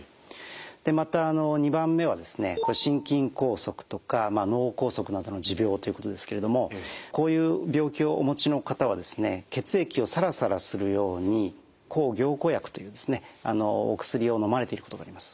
また２番目は心筋梗塞とか脳梗塞などの持病ということですけれどもこういう病気をお持ちの方は血液をサラサラするように抗凝固薬というお薬をのまれていることがあります。